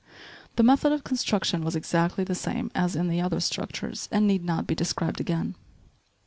The method of construction was exactly the same as in the other structures and need not be described again.